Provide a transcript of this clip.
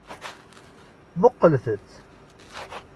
Muqqlet-tt.